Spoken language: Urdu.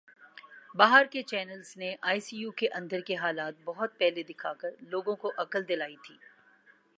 باہر کے چینلز نے آئی سی یو کے اندر کے حالات بہت پہلے دکھا کر لوگوں کو عقل دلائی تھی